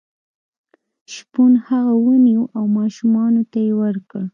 شپون هغه ونیو او ماشومانو ته یې ورکړ.